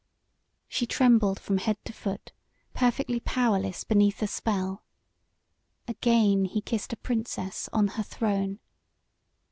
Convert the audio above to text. She trembled from head to foot, perfectly powerless beneath the spell. Again he kissed a princess on her throne.